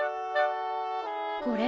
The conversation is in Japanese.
これ？